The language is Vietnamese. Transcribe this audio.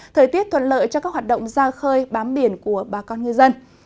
thời tiết thuận lợi cho các hoạt động ra khơi bám biển của bà con ngư dân